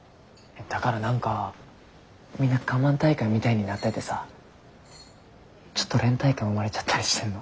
だから何かみんな我慢大会みたいになっててさちょっと連帯感生まれちゃったりしてんの。